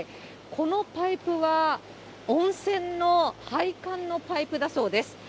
このパイプは温泉の配管のパイプだそうです。